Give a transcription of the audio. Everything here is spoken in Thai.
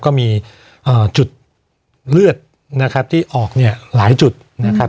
ก็มีจุดเลือดนะครับที่ออกเนี่ยหลายจุดนะครับ